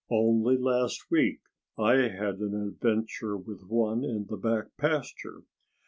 Only last week I had an adventure with one in the back pasture."